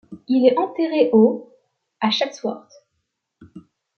Il est enterré au à Chatsworth.